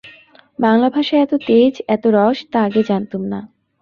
বাংলা ভাষায় এত তেজ এত রস তা আগে জানতুম না।